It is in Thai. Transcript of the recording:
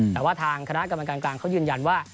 แต่ว่าทางคณะกรรมการกลางเขายืนยันว่า